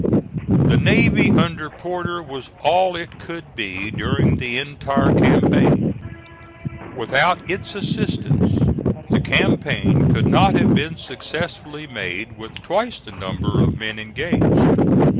The navy under Porter was all it could be, during the entire campaign. Without its assistance the campaign could not have been successfully made with twice the number of men engaged.